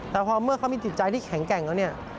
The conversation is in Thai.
แต่เพราะเมื่อเขามีจิตใจที่แข็งแกร่งแล้ว